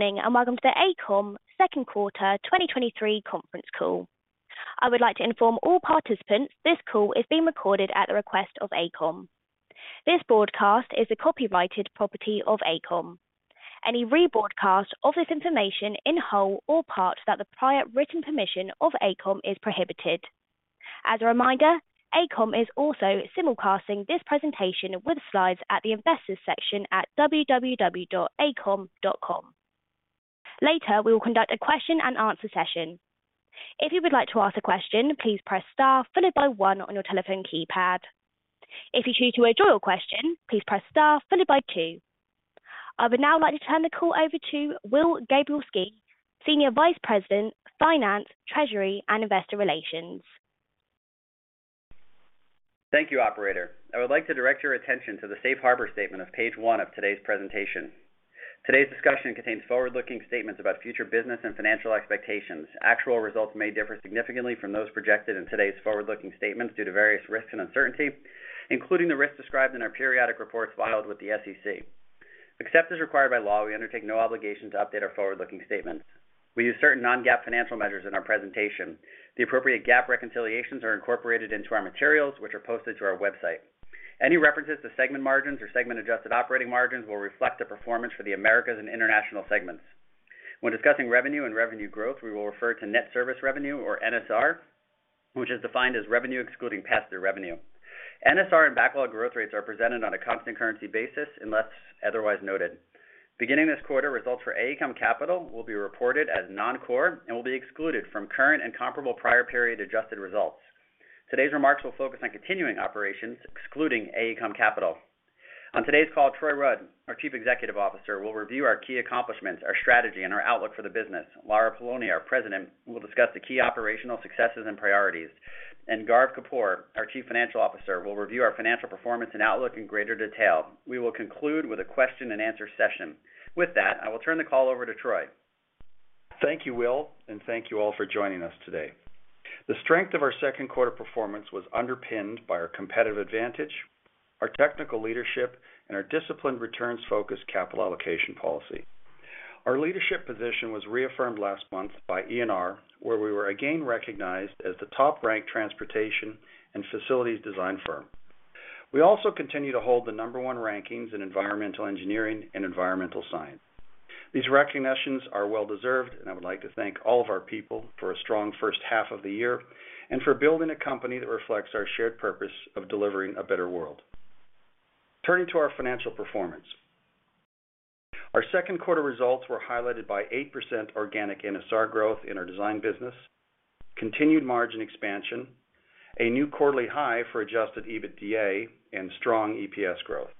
Good morning, and Welcome to the AECOM Second Quarter 2023 Conference Call. I would like to inform all participants this call is being recorded at the request of AECOM. This broadcast is the copyrighted property of AECOM. Any rebroadcast of this information in whole or part without the prior written permission of AECOM is prohibited. As a reminder, AECOM is also simulcasting this presentation with slides at the investors section at www.aecom.com. Later, we will conduct a question-and-answer session. If you would like to ask a question, please press star followed by one on your telephone keypad. If you choose to withdraw your question, please press Star followed by two. I would now like to turn the call over to Will Gabrielski, Senior Vice President, Finance, Treasury, and Investor Relations. Thank you, operator. I would like to direct your attention to the safe harbor statement of page one of today's presentation. Today's discussion contains forward-looking statements about future business and financial expectations. Actual results may differ significantly from those projected in today's forward-looking statements due to various risks and uncertainties, including the risks described in our periodic reports filed with the SEC. Except as required by law, we undertake no obligation to update our forward-looking statements. We use certain non-GAAP financial measures in our presentation. The appropriate GAAP reconciliations are incorporated into our materials, which are posted to our website. Any references to segment margins or segment-adjusted operating margins will reflect the performance for the Americas and International segments. When discussing revenue and revenue growth, we will refer to Net Service Revenue, or NSR, which is defined as revenue excluding pass-through revenue. NSR and backlog growth rates are presented on a constant currency basis, unless otherwise noted. Beginning this quarter, results for AECOM Capital will be reported as non-core and will be excluded from current and comparable prior period adjusted results. Today's remarks will focus on continuing operations excluding AECOM Capital. On today's call, Troy Rudd, our Chief Executive Officer, will review our key accomplishments, our strategy, and our outlook for the business. Lara Poloni, our President, will discuss the key operational successes and priorities. Gaurav Kapoor, our Chief Financial Officer, will review our financial performance and outlook in greater detail. We will conclude with a question-and-answer session. With that, I will turn the call over to Troy. Thank you, Will, and thank you all for joining us today. The strength of our second quarter performance was underpinned by our competitive advantage, our technical leadership, and our disciplined returns-focused capital allocation policy. Our leadership position was reaffirmed last month by ENR, where we were again recognized as the top-ranked transportation and facilities design firm. We also continue to hold the number one rankings in environmental engineering and environmental science. These recognitions are well-deserved, and I would like to thank all of our people for a strong first half of the year and for building a company that reflects our shared purpose of delivering a better world. Turning to our financial performance. Our second quarter results were highlighted by 8% organic NSR growth in our design business, continued margin expansion, a new quarterly high for Adjusted EBITDA and strong EPS growth.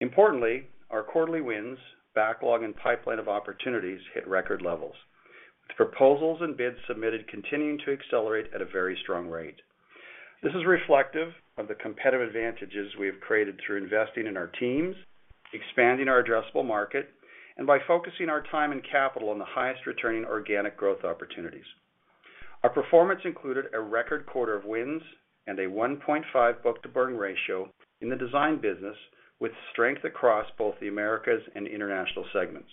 Importantly, our quarterly wins, backlog, and pipeline of opportunities hit record levels, with proposals and bids submitted continuing to accelerate at a very strong rate. This is reflective of the competitive advantages we have created through investing in our teams, expanding our addressable market, and by focusing our time and capital on the highest returning organic growth opportunities. Our performance included a record quarter of wins and a 1.5 book-to-bill ratio in the design business, with strength across both the Americas and International segments.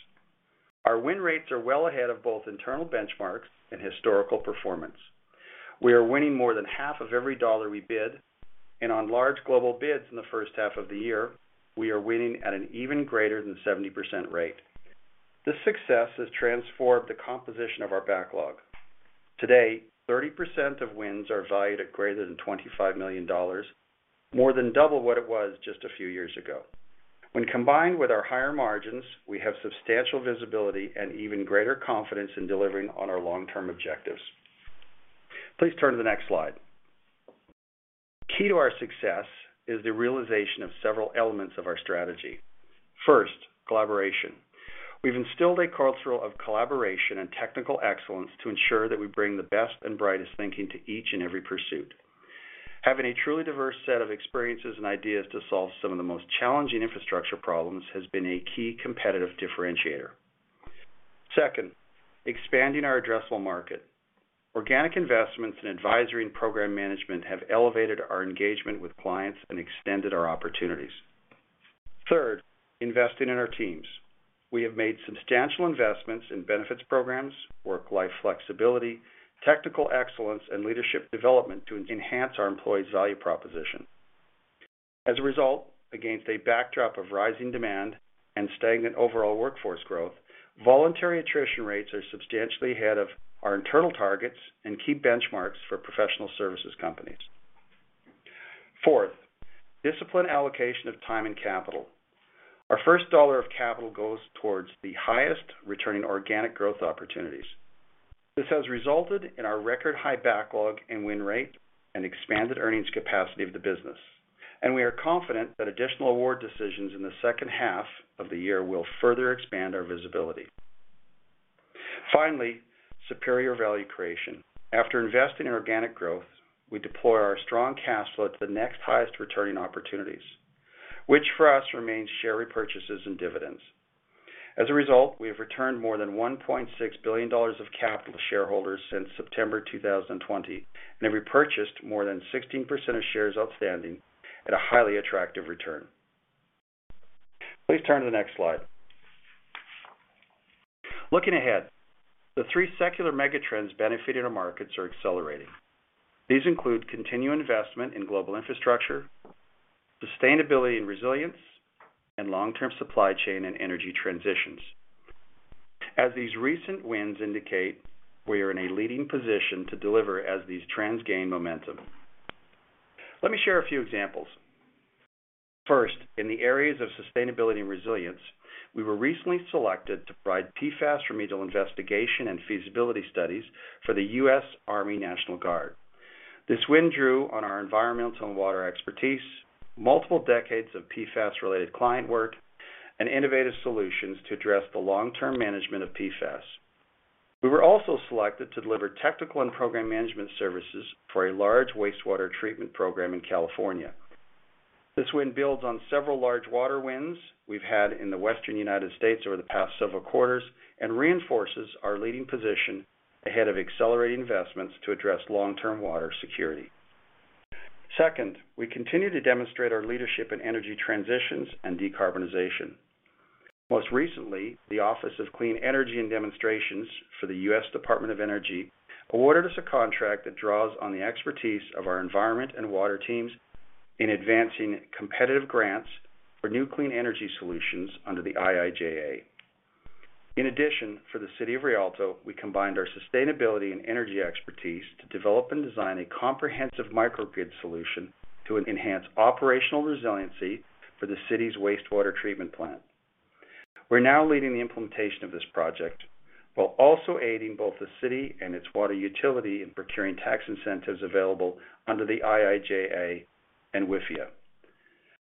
Our win rates are well ahead of both internal benchmarks and historical performance. We are winning more than half of every dollar we bid, and on large global bids in the first half of the year, we are winning at an even greater than 70% rate. This success has transformed the composition of our backlog. Today, 30% of wins are valued at greater than $25 million, more than double what it was just a few years ago. When combined with our higher margins, we have substantial visibility and even greater confidence in delivering on our long-term objectives. Please turn to the next slide. Key to our success is the realization of several elements of our strategy. First, collaboration. We've instilled a culture of collaboration and technical excellence to ensure that we bring the best and brightest thinking to each and every pursuit. Having a truly diverse set of experiences and ideas to solve some of the most challenging infrastructure problems has been a key competitive differentiator. Second, expanding our addressable market. Organic investments in advisory and program management have elevated our engagement with clients and extended our opportunities. Third, investing in our teams. We have made substantial investments in benefits programs, work-life flexibility, technical excellence, and leadership development to enhance our employees' value proposition. As a result, against a backdrop of rising demand and stagnant overall workforce growth, voluntary attrition rates are substantially ahead of our internal targets and key benchmarks for professional services companies. Fourth, disciplined allocation of time and capital. Our first dollar of capital goes towards the highest returning organic growth opportunities. This has resulted in our record high backlog and win rate and expanded earnings capacity of the business. We are confident that additional award decisions in the second half of the year will further expand our visibility. Finally, superior value creation. After investing in organic growth, we deploy our strong cash flow to the next highest returning opportunities, which for us remains share repurchases and dividends. As a result, we have returned more than $1.6 billion of capital to shareholders since September 2020 and have repurchased more than 16% of shares outstanding at a highly attractive return. Please turn to the next slide. Looking ahead, the three secular mega-trends benefiting our markets are accelerating. These include continued investment in global infrastructure, sustainability and resilience, and long-term supply chain and energy transitions. As these recent wins indicate, we are in a leading position to deliver as these trends gain momentum. Let me share a few examples. First, in the areas of sustainability and resilience, we were recently selected to provide PFAS remedial investigation and feasibility studies for the US Army National Guard. This win drew on our environmental and water expertise, multiple decades of PFAS-related client work, and innovative solutions to address the long-term management of PFAS. We were also selected to deliver technical and program management services for a large wastewater treatment program in California. This win builds on several large water wins we've had in the Western United States over the past several quarters and reinforces our leading position ahead of accelerating investments to address long-term water security. Second, we continue to demonstrate our leadership in energy transitions and decarbonization. Most recently, the Office of Clean Energy Demonstrations for the U.S. Department of Energy awarded us a contract that draws on the expertise of our environment and water teams in advancing competitive grants for new clean energy solutions under the IIJA. In addition, for the city of Rialto, we combined our sustainability and energy expertise to develop and design a comprehensive microgrid solution to enhance operational resiliency for the city's wastewater treatment plant. We're now leading the implementation of this project while also aiding both the city and its water utility in procuring tax incentives available under the IIJA and WIFIA.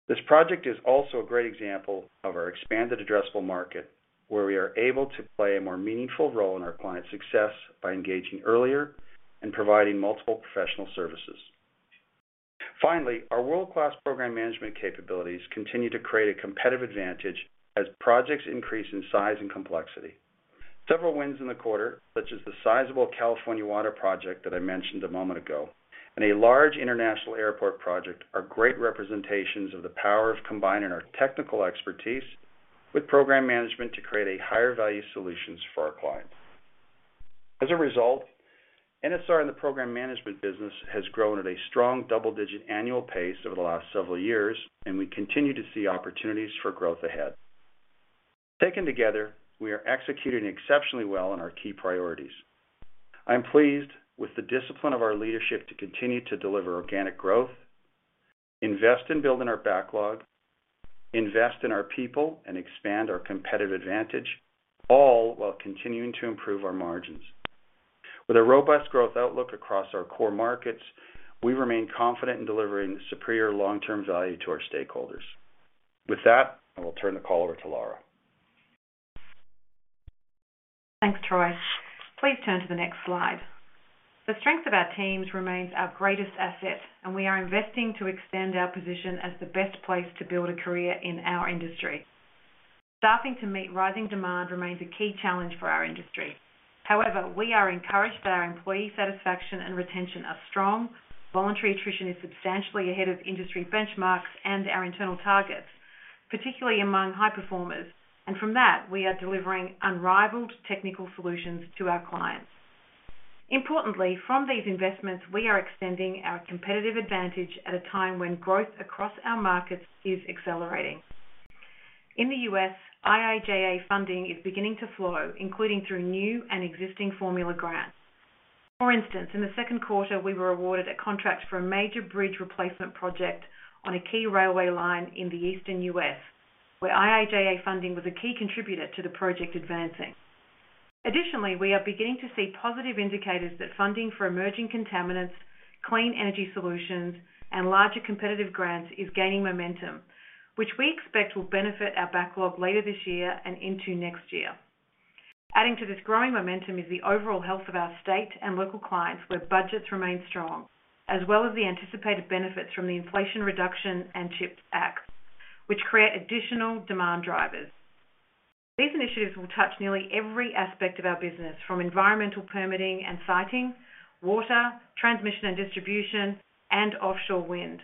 This project is also a great example of our expanded addressable market, where we are able to play a more meaningful role in our clients' success by engaging earlier and providing multiple professional services. Finally, our world-class program management capabilities continue to create a competitive advantage as projects increase in size and complexity. Several wins in the quarter, such as the sizable California water project that I mentioned a moment ago, and a large international airport project are great representations of the power of combining our technical expertise with program management to create a higher value solutions for our clients. As a result, NSR in the program management business has grown at a strong double-digit annual pace over the last several years. We continue to see opportunities for growth ahead. Taken together, we are executing exceptionally well on our key priorities. I'm pleased with the discipline of our leadership to continue to deliver organic growth, invest in building our backlog, invest in our people, and expand our competitive advantage, all while continuing to improve our margins. With a robust growth outlook across our core markets, we remain confident in delivering superior long-term value to our stakeholders. With that, I will turn the call over to Lara Poloni. Thanks, Troy. Please turn to the next slide. The strength of our teams remains our greatest asset, and we are investing to extend our position as the best place to build a career in our industry. Staffing to meet rising demand remains a key challenge for our industry. However, we are encouraged that our employee satisfaction and retention are strong, voluntary attrition is substantially ahead of industry benchmarks and our internal targets, particularly among high performers. From that, we are delivering unrivaled technical solutions to our clients. Importantly, from these investments, we are extending our competitive advantage at a time when growth across our markets is accelerating. In the U.S., IIJA funding is beginning to flow, including through new and existing formula grants. For instance, in the second quarter, we were awarded a contract for a major bridge replacement project on a key railway line in the Eastern U.S., where IIJA funding was a key contributor to the project advancing. Additionally, we are beginning to see positive indicators that funding for emerging contaminants, clean energy solutions, and larger competitive grants is gaining momentum, which we expect will benefit our backlog later this year and into next year. Adding to this growing momentum is the overall health of our state and local clients, where budgets remain strong, as well as the anticipated benefits from the Inflation Reduction Act and CHIPS Act, which create additional demand drivers. These initiatives will touch nearly every aspect of our business, from environmental permitting and siting, water, transmission and distribution, and offshore wind.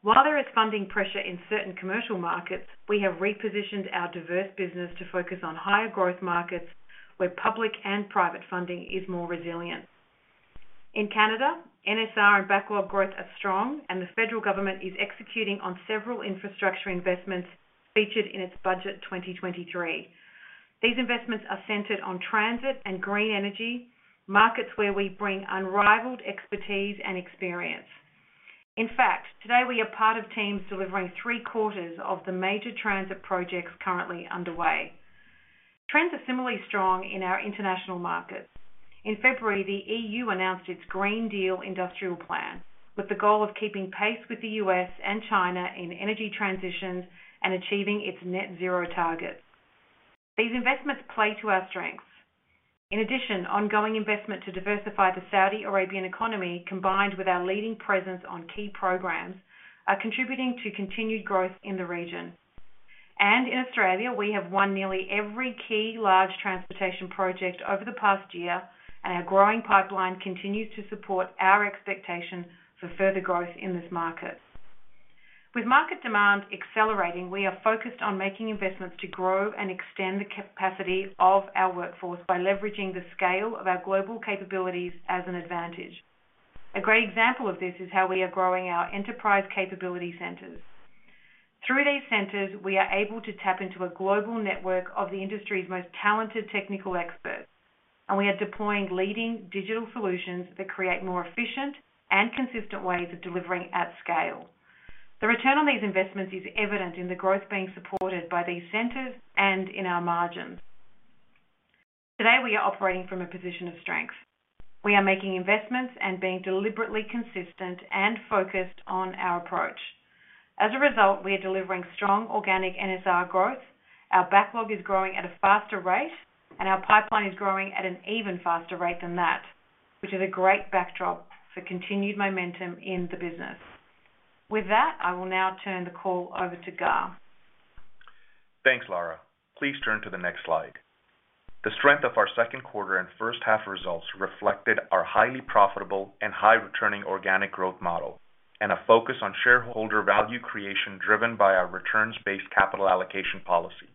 While there is funding pressure in certain commercial markets, we have repositioned our diverse business to focus on higher growth markets where public and private funding is more resilient. In Canada, NSR and backlog growth are strong, and the federal government is executing on several infrastructure investments featured in its Budget 2023. These investments are centered on transit and green energy markets, where we bring unrivaled expertise and experience. In fact, today we are part of teams delivering 3/4 of the major transit projects currently underway. Trends are similarly strong in our international markets. In February, the EU announced its Green Deal Industrial Plan, with the goal of keeping pace with the U.S. and China in energy transitions and achieving its net zero targets. These investments play to our strengths. In addition, ongoing investment to diversify the Saudi Arabian economy, combined with our leading presence on key programs, are contributing to continued growth in the region. In Australia, we have won nearly every key large transportation project over the past year, and our growing pipeline continues to support our expectation for further growth in this market. With market demand accelerating, we are focused on making investments to grow and extend the capacity of our workforce by leveraging the scale of our global capabilities as an advantage. A great example of this is how we are growing our Enterprise Capability Centers. Through these centers, we are able to tap into a global network of the industry's most talented technical experts, and we are deploying leading digital solutions that create more efficient and consistent ways of delivering at scale. The return on these investments is evident in the growth being supported by these centers and in our margins. Today, we are operating from a position of strength. We are making investments and being deliberately consistent and focused on our approach. As a result, we are delivering strong organic NSR growth. Our backlog is growing at a faster rate, and our pipeline is growing at an even faster rate than that, which is a great backdrop for continued momentum in the business. With that, I will now turn the call over to Gaurav. Thanks, Lara. Please turn to the next slide. The strength of our second quarter and first half results reflected our highly profitable and high returning organic growth model and a focus on shareholder value creation driven by our returns-based capital allocation policy.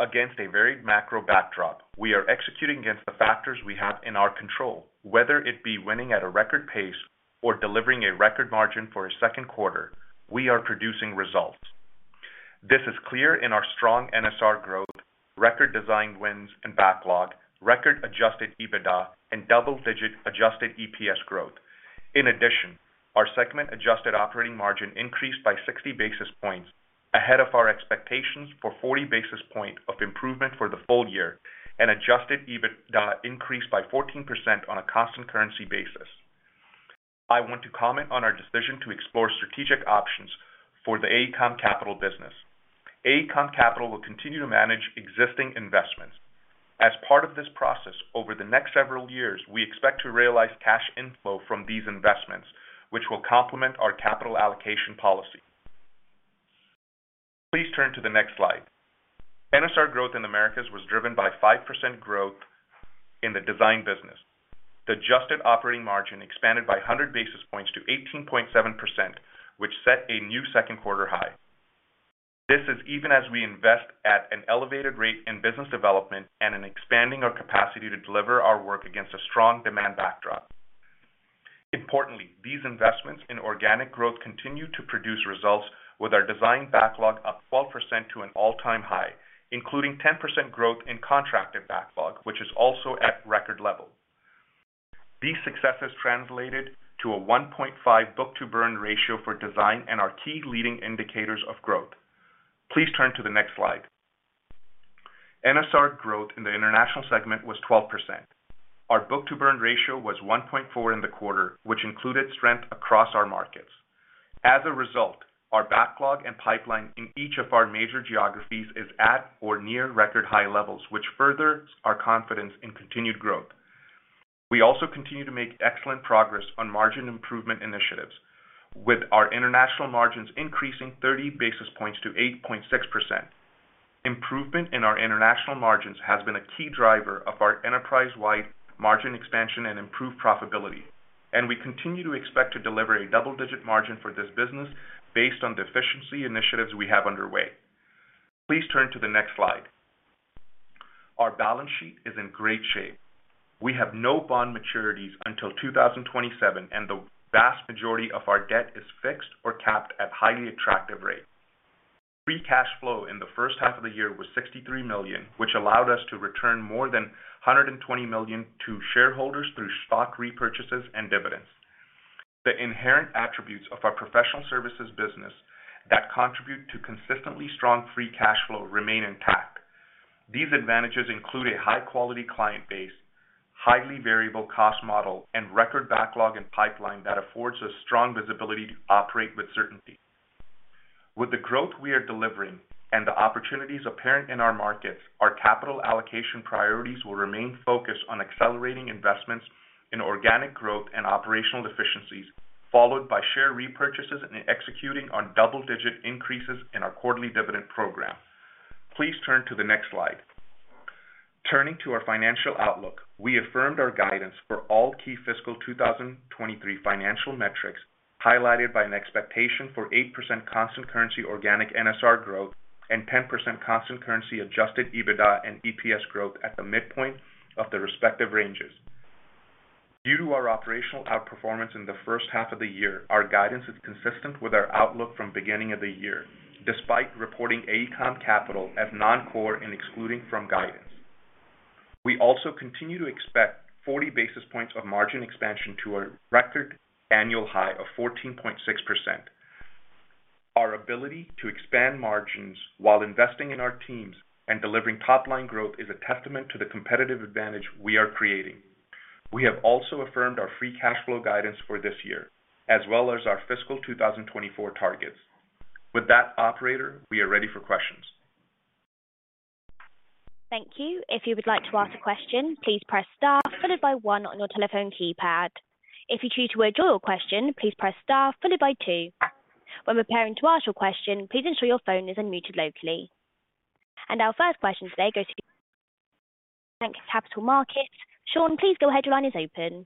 Against a varied macro backdrop, we are executing against the factors we have in our control, whether it be winning at a record pace or delivering a record margin for a second quarter, we are producing results. This is clear in our strong NSR growth, record design wins and backlog, record Adjusted EBITDA, and double-digit Adjusted EPS growth. In addition, our segment adjusted operating margin increased by 60 basis points ahead of our expectations for 40 basis point of improvement for the full year and Adjusted EBITDA increased by 14% on a constant currency basis. I want to comment on our decision to explore strategic options for the AECOM Capital business. AECOM Capital will continue to manage existing investments. As part of this process, over the next several years, we expect to realize cash inflow from these investments, which will complement our capital allocation policy. Please turn to the next slide. NSR growth in Americas was driven by 5% growth in the design business. The adjusted operating margin expanded by 100 basis points to 18.7%, which set a new second quarter high. This is even as we invest at an elevated rate in business development and in expanding our capacity to deliver our work against a strong demand backdrop. Importantly, these investments in organic growth continue to produce results with our design backlog up 12% to an all-time high, including 10% growth in contracted backlog, which is also at record level. These successes translated to a 1.5 book-to-burn ratio for design and are key leading indicators of growth. Please turn to the next slide. NSR growth in the international segment was 12%. Our book-to-burn ratio was 1.4 in the quarter, which included strength across our markets. Our backlog and pipeline in each of our major geographies is at or near record high levels, which furthers our confidence in continued growth. We also continue to make excellent progress on margin improvement initiatives with our international margins increasing 30 basis points to 8.6%. Improvement in our international margins has been a key driver of our enterprise-wide margin expansion and improved profitability, and we continue to expect to deliver a double-digit margin for this business based on the efficiency initiatives we have underway. Please turn to the next slide. Our balance sheet is in great shape. We have no bond maturities until 2027, and the vast majority of our debt is fixed or capped at highly attractive rate. Free cash flow in the first half of the year was $63 million, which allowed us to return more than $120 million to shareholders through stock repurchases and dividends. The inherent attributes of our professional services business that contribute to consistently strong free cash flow remain intact. These advantages include a high quality client base, highly variable cost model, and record backlog and pipeline that affords us strong visibility to operate with certainty. With the growth we are delivering and the opportunities apparent in our markets, our capital allocation priorities will remain focused on accelerating investments in organic growth and operational efficiencies, followed by share repurchases and executing on double-digit increases in our quarterly dividend program. Please turn to the next slide. Turning to our financial outlook, we affirmed our guidance for all key fiscal 2023 financial metrics, highlighted by an expectation for 8% constant currency organic NSR growth and 10% constant currency Adjusted EBITDA and EPS growth at the midpoint of the respective ranges. Due to our operational outperformance in the first half of the year, our guidance is consistent with our outlook from beginning of the year, despite reporting AECOM Capital as non-core and excluding from guidance. We also continue to expect 40 basis points of margin expansion to a record annual high of 14.6%. Our ability to expand margins while investing in our teams and delivering top line growth is a testament to the competitive advantage we are creating. We have also affirmed our free cash flow guidance for this year, as well as our fiscal 2024 targets. With that, operator, we are ready for questions. Thank you. If you would like to ask a question, please press star followed by one on your telephone keypad. If you choose to withdraw your question, please press star followed by two. When preparing to ask your question, please ensure your phone is unmuted locally. Our first question today goes to Sean of Capital Markets. Sean, please go ahead. Your line is open.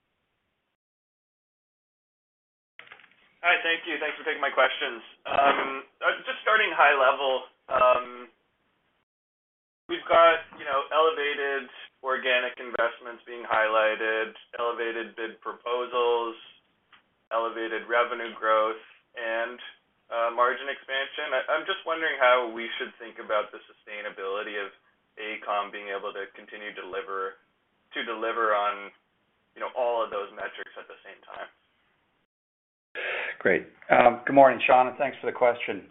Hi. Thank you. Thanks for taking my questions. Just starting high level. We've got, you know, elevated organic investments being highlighted, elevated bid proposals, elevated revenue growth and margin expansion. I'm just wondering how we should think about the sustainability of AECOM being able to continue to deliver on, you know, all of those metrics at the same time. Great. Good morning, Sean, and thanks for the question.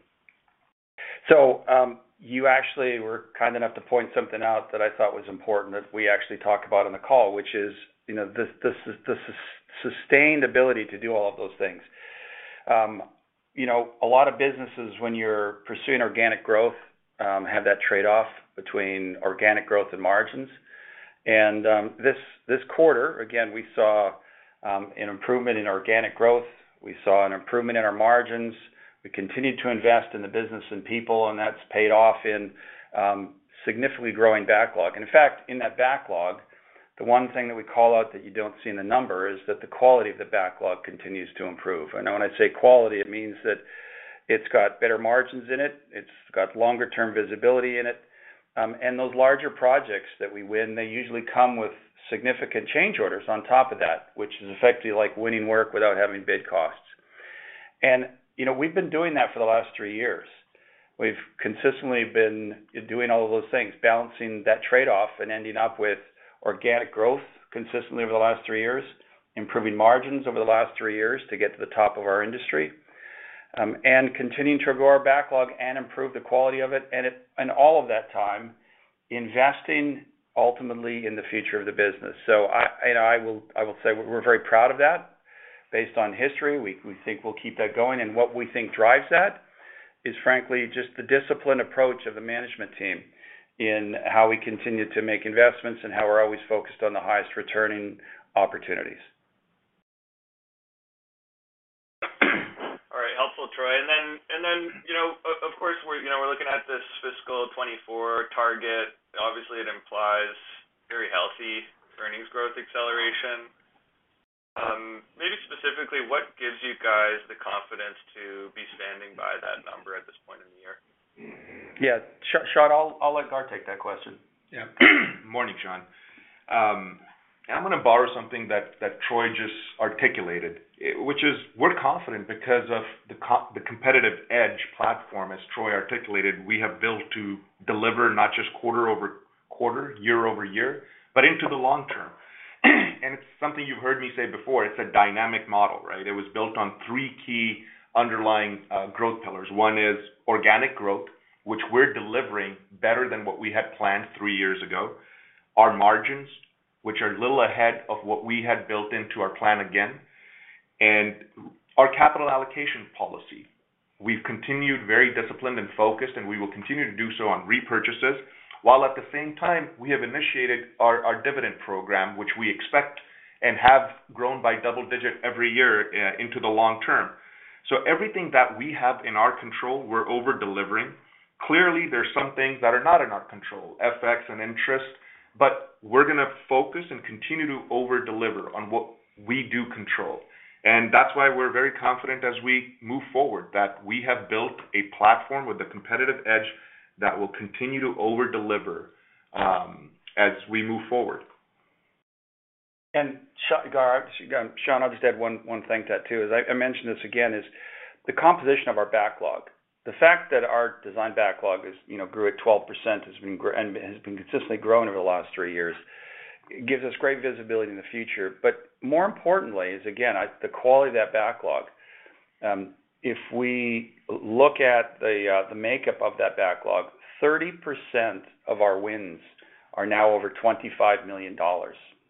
You actually were kind enough to point something out that I thought was important, that we actually talked about on the call, which is, you know, the sustained ability to do all of those things. You know, a lot of businesses when you're pursuing organic growth, have that trade-off between organic growth and margins. This, this quarter, again, we saw an improvement in organic growth. We saw an improvement in our margins. We continued to invest in the business and people, and that's paid off in significantly growing backlog. In fact, in that backlog, the one thing that we call out that you don't see in the number is that the quality of the backlog continues to improve. When I say quality, it means that it's got better margins in it's got longer term visibility in it. Those larger projects that we win, they usually come with significant change orders on top of that, which is effectively like winning work without having bid costs. You know, we've been doing that for the last three years. We've consistently been doing all of those things, balancing that trade-off and ending up with organic growth consistently over the last three years, improving margins over the last three years to get to the top of our industry, and continuing to grow our backlog and improve the quality of it. In all of that time, investing ultimately in the future of the business. I will say we're very proud of that. Based on history, we think we'll keep that going. What we think drives that is frankly just the disciplined approach of the management team in how we continue to make investments and how we're always focused on the highest returning opportunities. All right. Helpful, Troy. You know, of course, we're, you know, we're looking at this fiscal 2024 target. Obviously, it implies very healthy earnings growth acceleration. Maybe specifically, what gives you guys the confidence to be standing by that number at this point in the year? Yeah. Sean, I'll let Gar take that question. Morning, Sean. I'm going to borrow something that Troy just articulated, which is we're confident because of the competitive edge platform, as Troy articulated, we have built to deliver not just quarter-over-quarter, year-over-year, but into the long term. It's something you've heard me say before. It's a dynamic model, right? It was built on three key underlying growth pillars. One is organic growth, which we're delivering better than what we had planned three years ago. Our margins, which are a little ahead of what we had built into our plan again, and our capital allocation policy. We've continued very disciplined and focused, and we will continue to do so on repurchases, while at the same time we have initiated our dividend program, which we expect and have grown by double-digit every year into the long term. Everything that we have in our control, we're over-delivering. Clearly, there's some things that are not in our control, FX and interest, but we're gonna focus and continue to over-deliver on what we do control. That's why we're very confident as we move forward, that we have built a platform with a competitive edge that will continue to over-deliver as we move forward. Sean, I'll just add one thing to that too, as I mentioned this again, is the composition of our backlog. The fact that our design backlog, you know, grew at 12% and has been consistently growing over the last three years, gives us great visibility in the future. More importantly is again, the quality of that backlog. If we look at the makeup of that backlog, 30% of our wins are now over $25 million.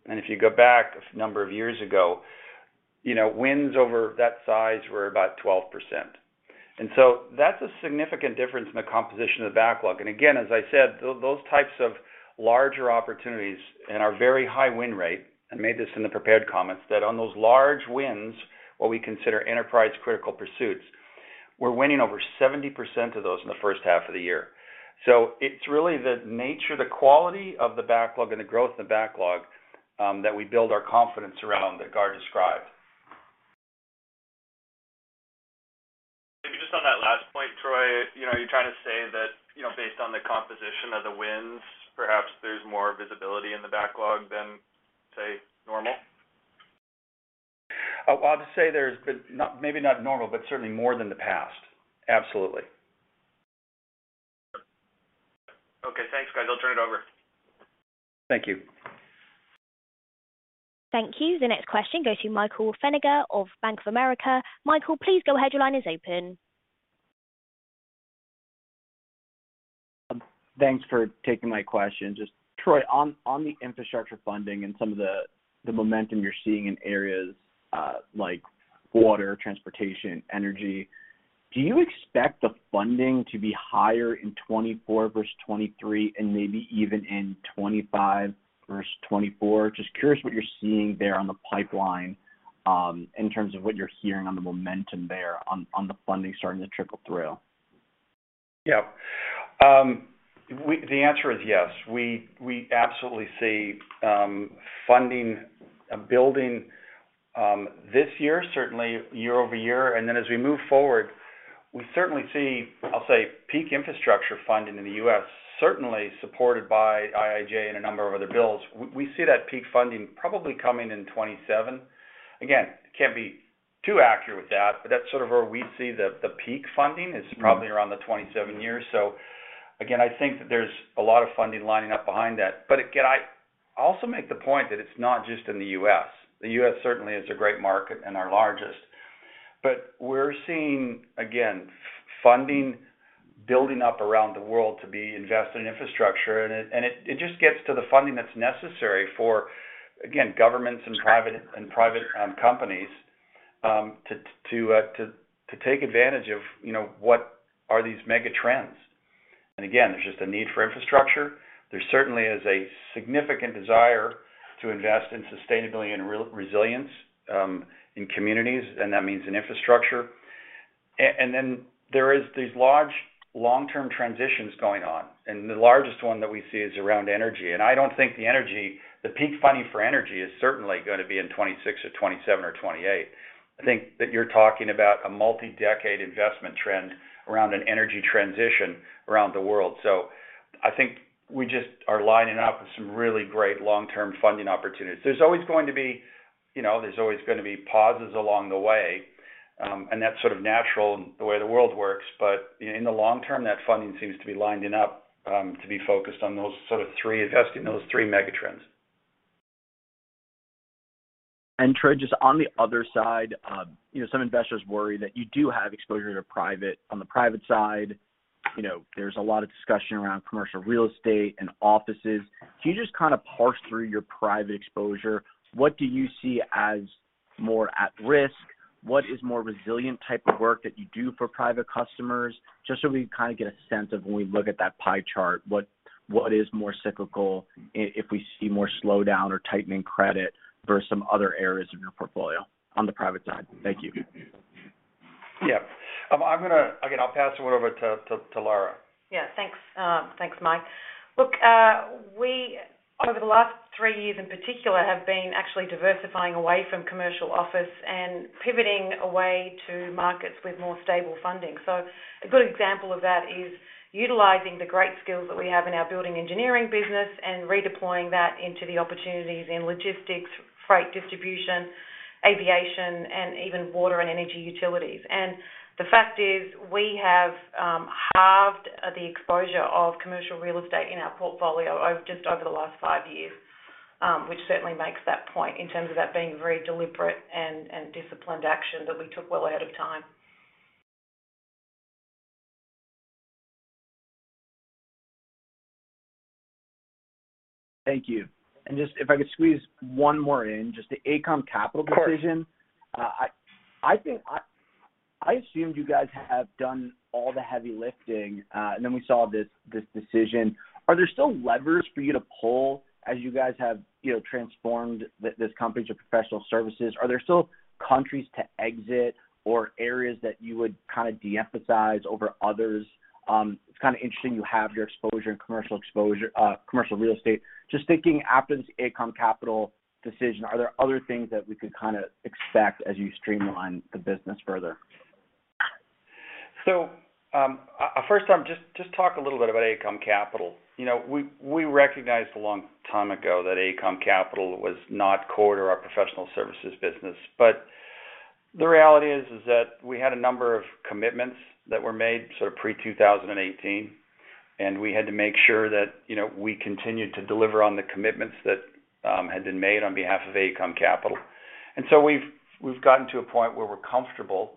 If you go back a number of years ago, you know, wins over that size were about 12%. That's a significant difference in the composition of the backlog. Again, as I said, those types of larger opportunities and our very high win rate, I made this in the prepared comments, that on those large wins, what we consider enterprise critical pursuits, we're winning over 70% of those in the first half of the year. It's really the nature, the quality of the backlog and the growth in the backlog, that we build our confidence around that Gar described. Maybe just on that last point, Troy, you know, are you trying to say that, you know, based on the composition of the wins, perhaps there's more visibility in the backlog than, say, normal? I'll just say there's been maybe not normal, but certainly more than the past. Absolutely. Okay. Thanks, guys. I'll turn it over. Thank you. Thank you. The next question goes to Michael Feniger of Bank of America. Michael, please go ahead. Your line is open. Thanks for taking my question. Just Troy Rudd, on the infrastructure funding and some of the momentum you're seeing in areas, like water, transportation, energy? Do you expect the funding to be higher in 2024 versus 2023 and maybe even in 2025 versus 2024? Just curious what you're seeing there on the pipeline, in terms of what you're hearing on the momentum there on the funding starting to trickle through. The answer is yes. We absolutely see funding building this year, certainly year-over-year. As we move forward, we certainly see, I'll say, peak infrastructure funding in the U.S., certainly supported by IIJA and a number of other bills. We see that peak funding probably coming in 2027. Can't be too accurate with that, but that's sort of where we see the peak funding is probably around the 2027 years. I think that there's a lot of funding lining up behind that. I also make the point that it's not just in the U.S. The U.S. certainly is a great market and our largest. We're seeing, again, funding building up around the world to be invested in infrastructure, and it just gets to the funding that's necessary for, again, governments and private companies to take advantage of, you know, what are these mega trends. Again, there's just a need for infrastructure. There certainly is a significant desire to invest in sustainability and resilience in communities, and that means in infrastructure. Then there is these large long-term transitions going on, and the largest one that we see is around energy. I don't think the energy, the peak funding for energy is certainly gonna be in 2026 or 2027 or 2028. I think that you're talking about a multi-decade investment trend around an energy transition around the world. I think we just are lining up with some really great long-term funding opportunities. There's always going to be, you know, there's always gonna be pauses along the way, and that's sort of natural the way the world works. In the long term, that funding seems to be lining up, to be focused on those sort of three, investing those three mega trends. Troy, just on the other side, you know, some investors worry that you do have exposure on the private side. You know, there's a lot of discussion around commercial real estate and offices. Can you just kinda parse through your private exposure? What do you see as more at risk? What is more resilient type of work that you do for private customers? Just so we can kinda get a sense of when we look at that pie chart, what is more cyclical if we see more slowdown or tightening credit versus some other areas of your portfolio on the private side. Thank you. Yeah. again, I'll pass it over to Lara. Thanks. Thanks, Mike. Look, we over the last three years in particular, have been actually diversifying away from commercial office and pivoting away to markets with more stable funding. A good example of that is utilizing the great skills that we have in our building engineering business and redeploying that into the opportunities in logistics, freight distribution, aviation, and even water and energy utilities. The fact is we have halved the exposure of commercial real estate in our portfolio just over the last five years, which certainly makes that point in terms of that being very deliberate and disciplined action that we took well ahead of time. Thank you. Just if I could squeeze one more in, just the AECOM Capital decision? Of course. I think I assumed you guys have done all the heavy lifting, and then we saw this decision. Are there still levers for you to pull as you guys have, you know, transformed this company to professional services? Are there still countries to exit or areas that you would kinda de-emphasize over others? It's kinda interesting you have your exposure in commercial exposure, commercial real estate. Just thinking after this AECOM Capital decision, are there other things that we could kinda expect as you streamline the business further? First I'm just talk a little bit about AECOM Capital. You know, we recognized a long time ago that AECOM Capital was not core to our professional services business. The reality is that we had a number of commitments that were made sort of pre-2018, and we had to make sure that, you know, we continued to deliver on the commitments that had been made on behalf of AECOM Capital. We've gotten to a point where we're comfortable that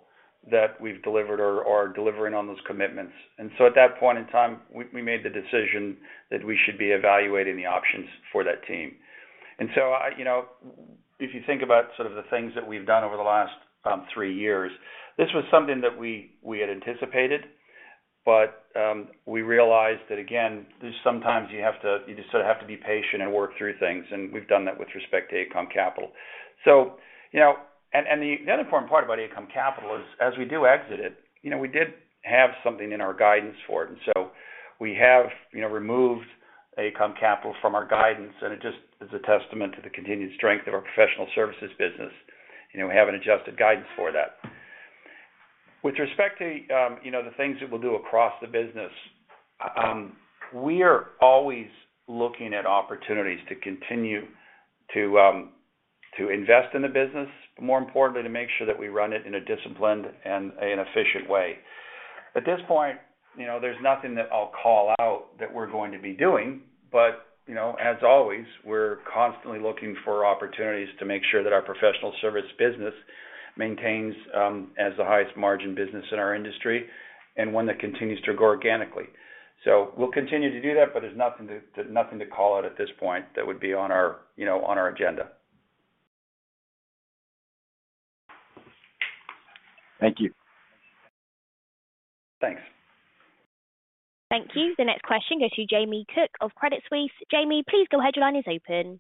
we've delivered or are delivering on those commitments. At that point in time, we made the decision that we should be evaluating the options for that team. I, you know, if you think about sort of the things that we've done over the last three years, this was something that we had anticipated, but, we realized that again, there's sometimes you just sort of have to be patient and work through things, and we've done that with respect to AECOM Capital. You know, and the other important part about AECOM Capital is, as we do exit it, you know, we did have something in our guidance for it. We have, you know, removed AECOM Capital from our guidance, and it just is a testament to the continued strength of our professional services business. You know, we have an adjusted guidance for that. With respect to, you know, the things that we'll do across the business, we are always looking at opportunities to continue to invest in the business, but more importantly, to make sure that we run it in a disciplined and in efficient way. At this point, you know, there's nothing that I'll call out that we're going to be doing, but, you know, as always, we're constantly looking for opportunities to make sure that our professional service business maintains as the highest margin business in our industry and one that continues to grow organically. So we'll continue to do that, but there's nothing to, nothing to call out at this point that would be on our, you know, on our agenda. Thank you. Thanks. Thank you. The next question goes to Jamie Cook of Credit Suisse. Jamie, please go ahead. Your line is open.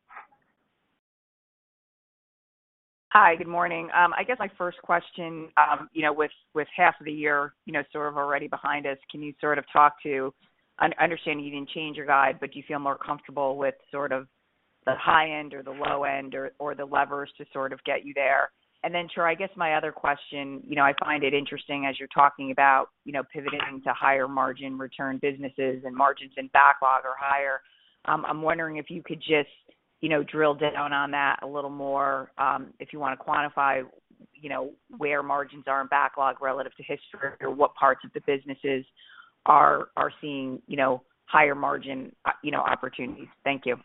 Hi, good morning. I guess my first question, you know, with half of the year, you know, sort of already behind us, can you sort of talk to understanding you didn't change your guide, but do you feel more comfortable with sort of the high end or the low end or the levers to sort of get you there? Troy Rudd, I guess my other question, you know, I find it interesting as you're talking about, you know, pivoting to higher margin return businesses and margins and backlog are higher. I'm wondering if you could just, you know, drill down on that a little more, if you wanna quantify, you know, where margins are in backlog relative to history or what parts of the businesses are seeing, you know, higher margin, you know, opportunities. Thank you.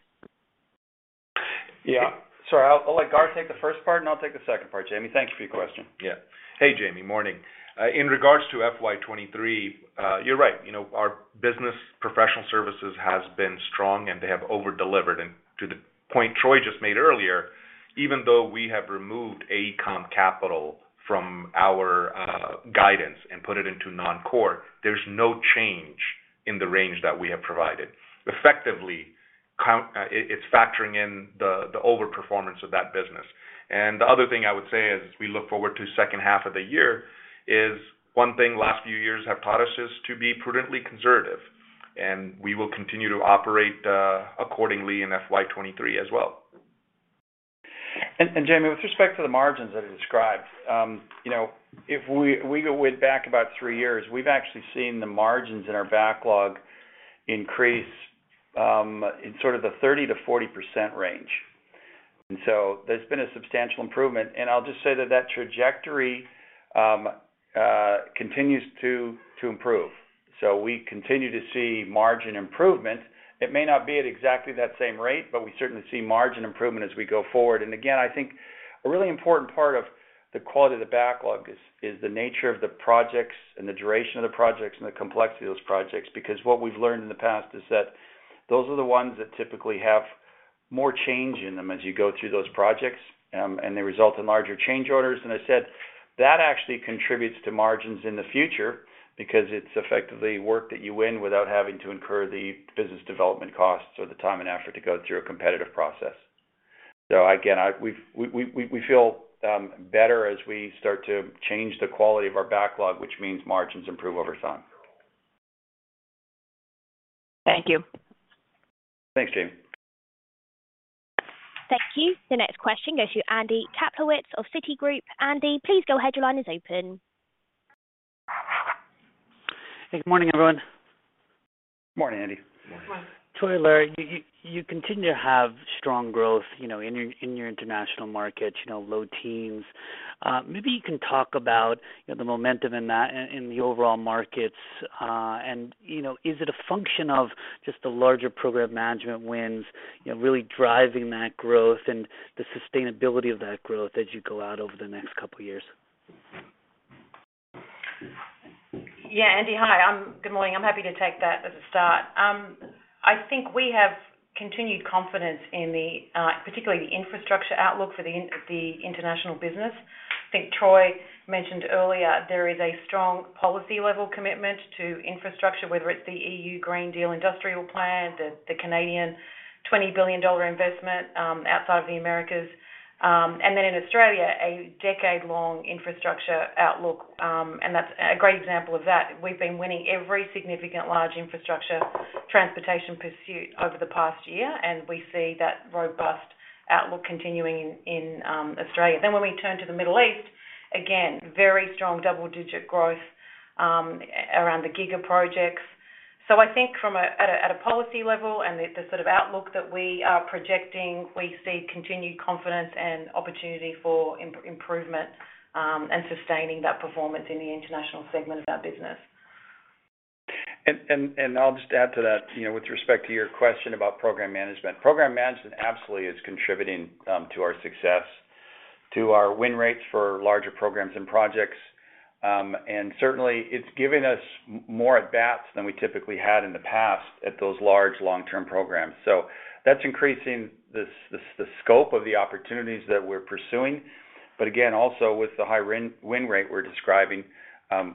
Yeah. Sorry, I'll let Gar take the first part, and I'll take the second part, Jamie. Thank you for your question. Hey, Jamie. Morning. In regards to FY 2023, you know, our business professional services has been strong, and they have over-delivered. To the point Troy just made earlier, even though we have removed AECOM Capital from our guidance and put it into non-core, there's no change in the range that we have provided. Effectively, it's factoring in the overperformance of that business. The other thing I would say is we look forward to second half of the year is one thing last few years have taught us is to be prudently conservative, and we will continue to operate accordingly in FY 2023 as well. Jamie, with respect to the margins that I described, you know, if we go way back about three years, we've actually seen the margins in our backlog increase in sort of the 30%-40% range. There's been a substantial improvement, and I'll just say that trajectory continues to improve. We continue to see margin improvement. It may not be at exactly that same rate, but we certainly see margin improvement as we go forward. Again, I think a really important part of the quality of the backlog is the nature of the projects and the duration of the projects and the complexity of those projects. Because what we've learned in the past is that those are the ones that typically have more change in them as you go through those projects, they result in larger change orders. I said, that actually contributes to margins in the future because it's effectively work that you win without having to incur the business development costs or the time and effort to go through a competitive process. Again, we feel better as we start to change the quality of our backlog, which means margins improve over time. Thank you. Thanks, Jamie. Thank you. The next question goes to Andrew Kaplowitz of Citigroup. Andy, please go ahead. Your line is open. Good morning, everyone. Morning, Andy. Morning. Morning. Troy and Lara, you continue to have strong growth, you know, in your, in your international markets, you know, low teens. Maybe you can talk about the momentum in that in the overall markets. You know, is it a function of just the larger program management wins, you know, really driving that growth and the sustainability of that growth as you go out over the next couple years? Andy, hi. Good morning. I'm happy to take that as a start. I think we have continued confidence in the particularly the infrastructure outlook for the international business. I think Troy mentioned earlier there is a strong policy level commitment to infrastructure, whether it's the EU Green Deal Industrial Plan, the Canadian 20 billion Canadian dollars investment outside of the Americas. In Australia, a decade-long infrastructure outlook, and that's a great example of that. We've been winning every significant large infrastructure transportation pursuit over the past year, and we see that robust outlook continuing in Australia. When we turn to the Middle East, again, very strong double-digit growth around the giga projects. I think from a policy level and the sort of outlook that we are projecting, we see continued confidence and opportunity for improvement, and sustaining that performance in the international segment of our business. I'll just add to that, you know, with respect to your question about program management. Program management absolutely is contributing to our success, to our win rates for larger programs and projects. Certainly, it's giving us more at bats than we typically had in the past at those large long-term programs. That's increasing the scope of the opportunities that we're pursuing. Again, also with the high win rate we're describing,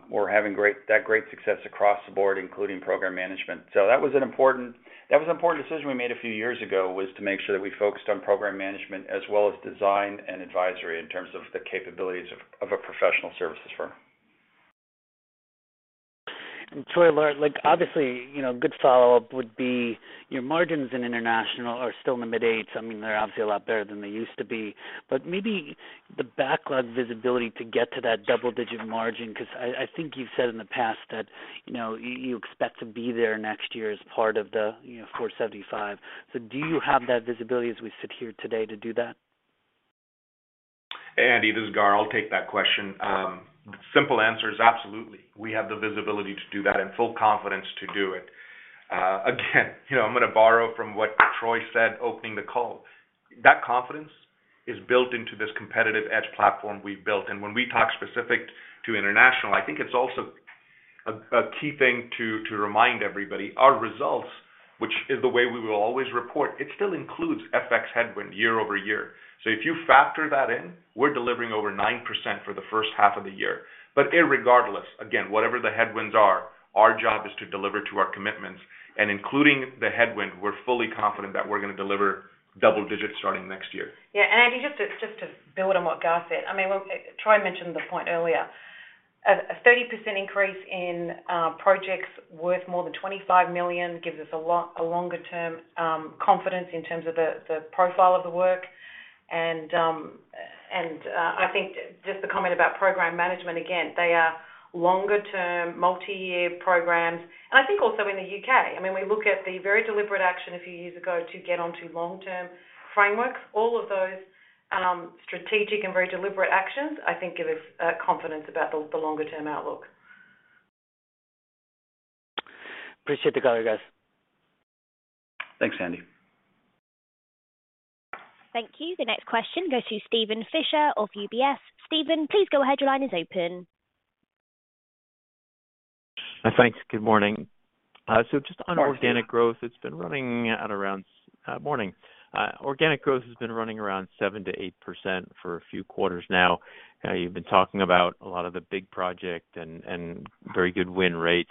we're having great success across the board, including program management. That was an important decision we made a few years ago, was to make sure that we focused on program management as well as design and advisory in terms of the capabilities of a professional services firm. Troy and Lara, like, obviously, you know, good follow-up would be your margins in international are still in the mid-eights. I mean, they're obviously a lot better than they used to be. Maybe the backlog visibility to get to that double-digit margin, because I think you've said in the past that, you know, you expect to be there next year as part of the, you know, $4.75. Do you have that visibility as we sit here today to do that? Andy, this is Gar. I'll take that question. Simple answer is absolutely. We have the visibility to do that and full confidence to do it. Again, you know, I'm gonna borrow from what Troy said opening the call. That confidence is built into this competitive edge platform we've built. When we talk specific to international, I think it's also a key thing to remind everybody, our results, which is the way we will always report, it still includes FX headwind year-over-year. If you factor that in, we're delivering over 9% for the first half of the year. Regardless, again, whatever the headwinds are, our job is to deliver to our commitments. Including the headwind, we're fully confident that we're gonna deliver double digits starting next year. Yeah. Andy, just to build on what Gaurav said, I mean, well, Troy mentioned the point earlier. A 30% increase in projects worth more than $25 million gives us a longer term confidence in terms of the profile of the work. I think just the comment about program management, again, they are longer term multi-year programs. I think also in the U.K., I mean, we look at the very deliberate action a few years ago to get onto long-term frameworks. All of those strategic and very deliberate actions, I think give us confidence about the longer term outlook. Appreciate the color, guys. Thanks, Andy. Thank you. The next question goes to Steven Fisher of UBS. Steven, please go ahead. Your line is open. Thanks. Good morning. Just Good morning. Organic growth, it's been running at. Morning. organic growth has been running around 7%-8% for a few quarters now. you've been talking about a lot of the big project and very good win rates.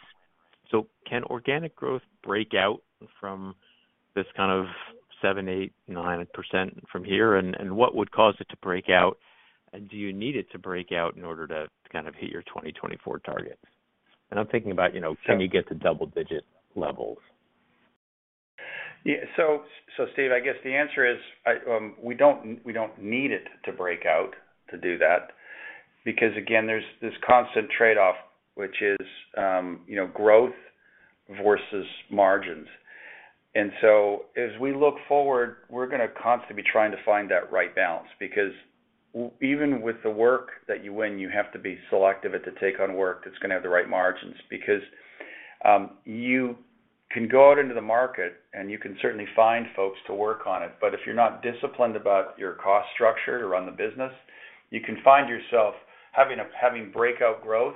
can organic growth break out from this kind of 7%, 8%, 9% from here? what would cause it to break out? do you need it to break out in order to kind of hit your 2024 targets? I'm thinking about, you know, can you get to double digit levels? Steve, I guess the answer is, I, we don't need it to break out to do that because again, there's this constant trade-off, which is, you know, growth versus margins. As we look forward, we're gonna constantly be trying to find that right balance, because even with the work that you win, you have to be selective at to take on work that's gonna have the right margins. You can go out into the market and you can certainly find folks to work on it, but if you're not disciplined about your cost structure to run the business, you can find yourself having breakout growth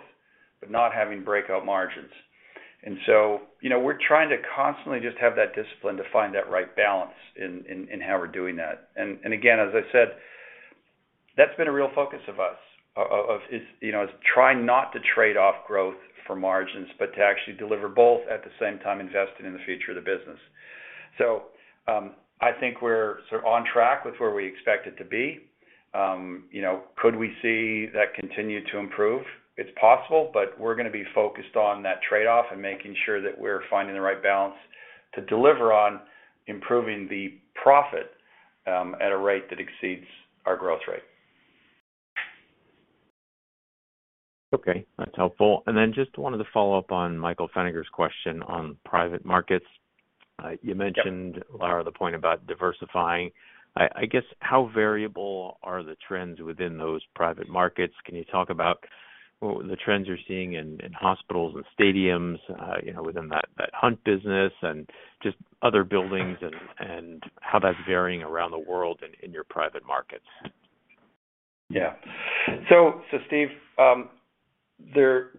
but not having breakout margins. You know, we're trying to constantly just have that discipline to find that right balance in how we're doing that. Again, as I said, that's been a real focus of us of is, you know, is try not to trade off growth for margins, but to actually deliver both at the same time investing in the future of the business. I think we're sort of on track with where we expect it to be. You know, could we see that continue to improve? It's possible, but we're gonna be focused on that trade-off and making sure that we're finding the right balance to deliver on improving the profit, at a rate that exceeds our growth rate. Okay. That's helpful. Just wanted to follow up on Michael Feniger's question on private markets. Yeah Lara, the point about diversifying. I guess how variable are the trends within those private markets? Can you talk about the trends you're seeing in hospitals and stadiums, you know, within that hunt business and just other buildings and how that's varying around the world in your private markets? Yeah. So Steve, there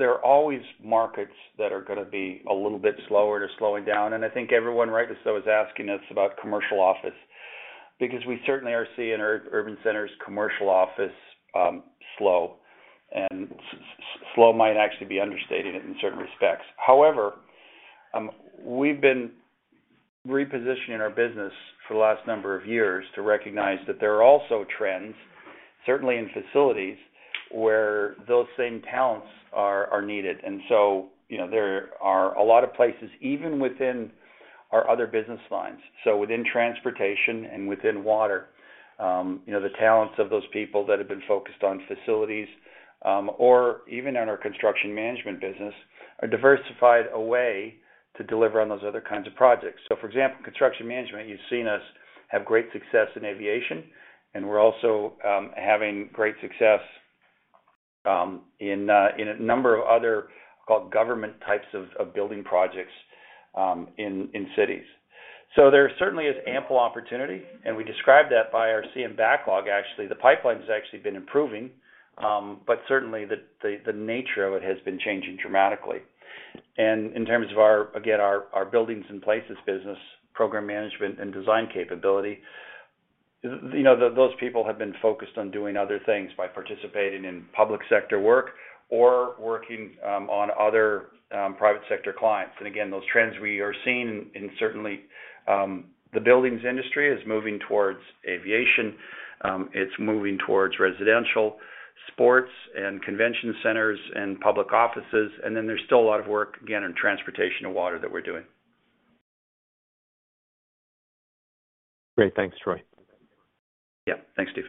are always markets that are gonna be a little bit slower to slowing down, I think everyone right so is asking us about commercial office, because we certainly are seeing in urban centers, commercial office, slow. Slow might actually be understating it in certain respects. However, we've been repositioning our business for the last number of years to recognize that there are also trends, certainly in facilities, where those same talents are needed. You know, there are a lot of places, even within our other business lines, so within transportation and within water, you know, the talents of those people that have been focused on facilities, or even in our construction management business, are diversified a way to deliver on those other kinds of projects. For example, construction management, you've seen us have great success in aviation, and we're also having great success in a number of other called government types of building projects in cities. There certainly is ample opportunity, and we describe that by our CM backlog. Actually, the pipeline's actually been improving, but certainly the nature of it has been changing dramatically. In terms of our, again, our buildings and places business, program management and design capability, you know, those people have been focused on doing other things by participating in public sector work or working on other private sector clients. Again, those trends we are seeing in certainly the buildings industry is moving towards aviation, it's moving towards residential, sports and convention centers and public offices. There's still a lot of work, again, in transportation and water that we're doing. Great. Thanks, Troy. Yeah. Thanks, Steve.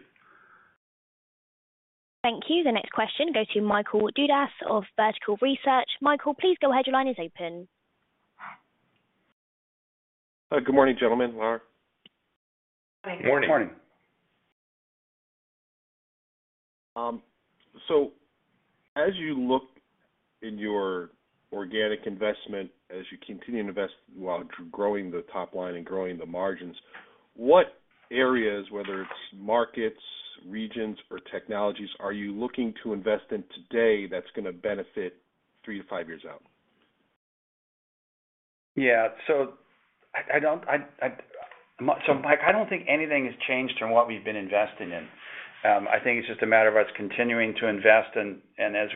Thank you. The next question goes to Michael Dudas of Vertical Research. Michael, please go ahead. Your line is open. Good morning, gentlemen, Lara. Morning. Morning. As you look in your organic investment as you continue to invest while growing the top line and growing the margins. What areas, whether it's markets, regions, or technologies, are you looking to invest in today that's gonna benefit three to five years up? Yeah. I don't... I, so Mike, I don't think anything has changed from what we've been investing in. I think it's just a matter of us continuing to invest and as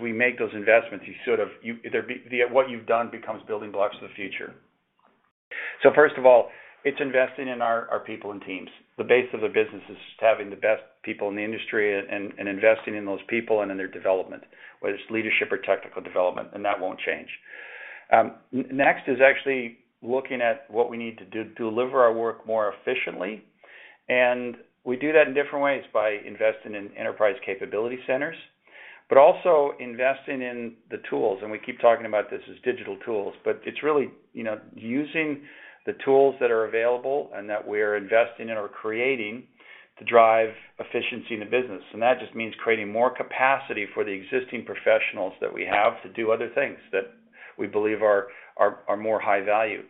we make those investments, you sort of, what you've done becomes building blocks for the future. First of all, it's investing in our people and teams. The base of the business is having the best people in the industry and investing in those people and in their development, whether it's leadership or technical development, and that won't change. Next is actually looking at what we need to do deliver our work more efficiently. We do that in different ways by investing in Enterprise Capability Centers, but also investing in the tools, and we keep talking about this as digital tools. It's really, you know, using the tools that are available and that we're investing in or creating to drive efficiency in the business. That just means creating more capacity for the existing professionals that we have to do other things that we believe are more high value.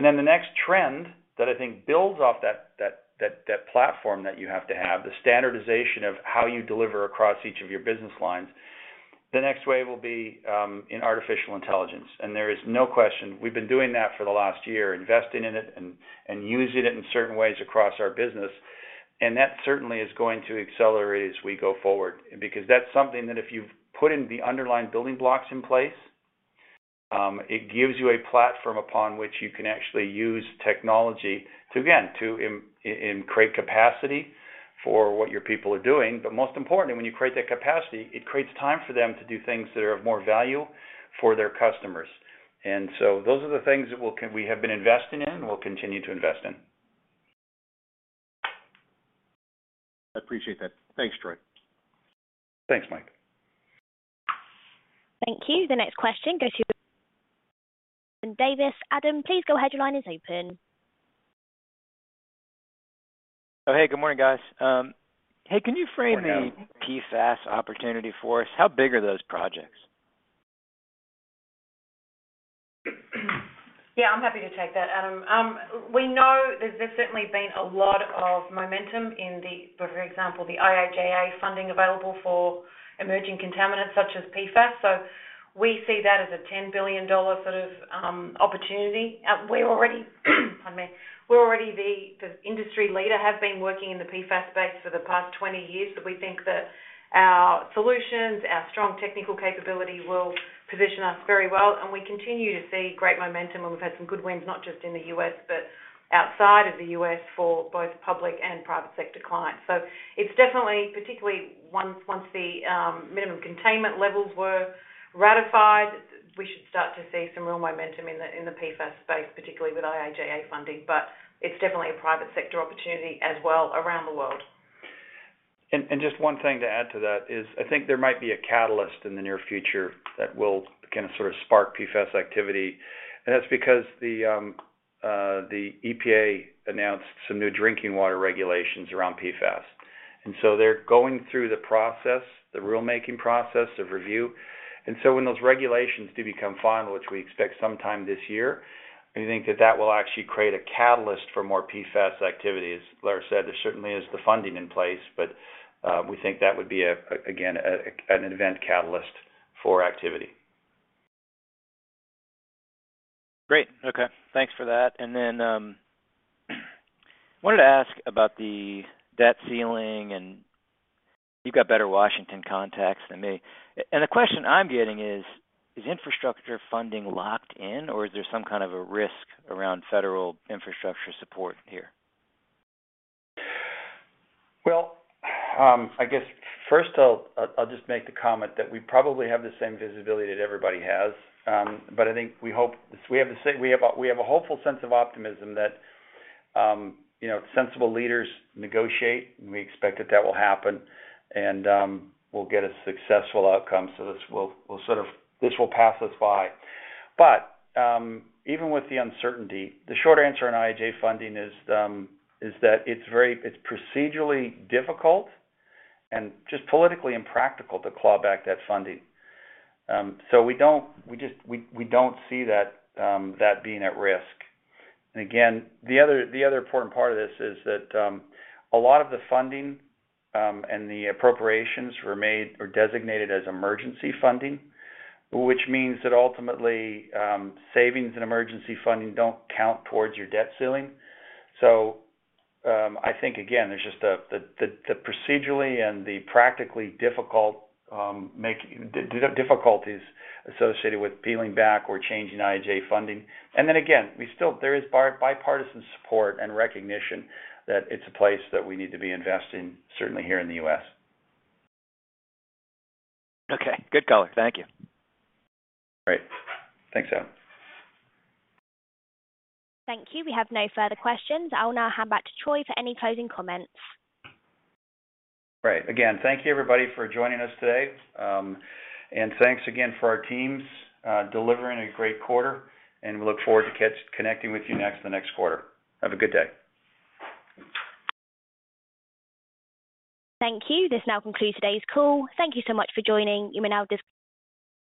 Then the next trend that I think builds off that platform that you have to have, the standardization of how you deliver across each of your business lines. The next wave will be in artificial intelligence. There is no question. We've been doing that for the last year, investing in it and using it in certain ways across our business. That certainly is going to accelerate as we go forward because that's something that if you've put in the underlying building blocks in place, it gives you a platform upon which you can actually use technology to, again, and create capacity for what your people are doing. Most importantly, when you create that capacity, it creates time for them to do things that are of more value for their customers. Those are the things that we have been investing in and we'll continue to invest in. I appreciate that. Thanks, Troy. Thanks, Mike. Thank you. The next question goes to Adam Thalhimer with Thompson and Davis. Adam, please go ahead. Your line is open. Oh, hey, good morning, guys. Good morning, Adam. Can you frame the PFAS opportunity for us? How big are those projects? Yeah, I'm happy to take that, Adam. We know there's definitely been a lot of momentum in the, for example, the IIJA funding available for emerging contaminants such as PFAS. We see that as a $10 billion sort of opportunity. We're already the industry leader, have been working in the PFAS space for the past 20 years, but we think that our solutions, our strong technical capability will position us very well. We continue to see great momentum, and we've had some good wins, not just in the U.S., but outside of the U.S. for both public and private sector clients. It's definitely, particularly once the minimum containment levels were ratified, we should start to see some real momentum in the PFAS space, particularly with IIJA funding.It's definitely a private sector opportunity as well around the world. Just one thing to add to that is I think there might be a catalyst in the near future that will kinda sorta spark PFAS activity. That's because the EPA announced some new drinking water regulations around PFAS. They're going through the process, the rulemaking process of review. When those regulations do become final, which we expect sometime this year, we think that that will actually create a catalyst for more PFAS activities. Lara said there certainly is the funding in place, we think that would be a, again, a, an event catalyst for activity. Great. Okay. Thanks for that. Then, wanted to ask about the debt ceiling, and you've got better Washington contacts than me. The question I'm getting is infrastructure funding locked in, or is there some kind of a risk around federal infrastructure support here? Well, I guess first I'll just make the comment that we probably have the same visibility that everybody has. I think we hope we have a hopeful sense of optimism that, you know, sensible leaders negotiate, and we expect that that will happen, and we'll get a successful outcome. This will sort of, this will pass us by. Even with the uncertainty, the short answer on IIJA funding is that it's procedurally difficult and just politically impractical to claw back that funding. We don't see that being at risk. Again, the other, the other important part of this is that a lot of the funding and the appropriations were made or designated as emergency funding, which means that ultimately, savings and emergency funding don't count towards your debt ceiling. I think again, there's just the procedurally and the practically difficult the difficulties associated with peeling back or changing IIJA funding. Again, we still, there is bipartisan support and recognition that it's a place that we need to be investing, certainly here in the U.S. Okay. Good color. Thank you. Great. Thanks, Adam. Thank you. We have no further questions. I will now hand back to Troy for any closing comments. Great. Again, thank you everybody for joining us today. Thanks again for our teams, delivering a great quarter, and we look forward to connecting with you the next quarter. Have a good day. Thank you. This now concludes today's call. Thank you so much for joining. You may now disconnect.